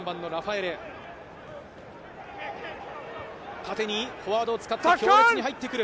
縦にフォワードを使って強烈に入ってくる。